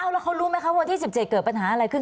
แล้วเขารู้ไหมคะวันที่๑๗เกิดปัญหาอะไรขึ้น